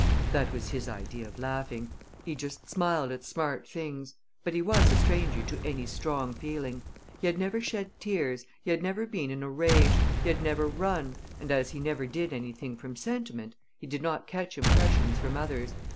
That was his idea of laughing; he just smiled at smart things, but he was a stranger to any strong feeling. He had never shed tears, he had never been in a rage, he had never run, and, as he never did anything from sentiment, he did not catch impressions from others.